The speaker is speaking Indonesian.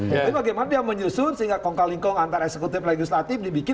tapi bagaimana dia menyusun sehingga kongkal lingkang antara eksekutif legislatif dibikin